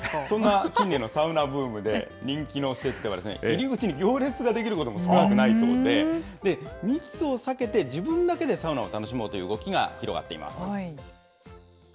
そんな近年のサウナブームで、人気の施設では、入り口に行列が出来ることも少なくないそうで、密を避けて自分だけでサウナを楽しもうという動きが広がっています。